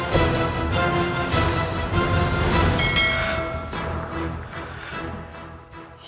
sabit kembar ini